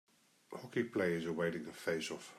Hockey players awaiting a faceoff.